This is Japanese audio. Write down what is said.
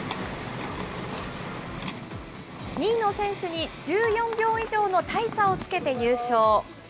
２位の選手に１４秒以上の大差をつけて優勝。